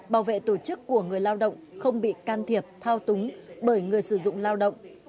bảo vệ tổ chức của người lao động không bị can thiệp thao túng bởi người sử dụng lao động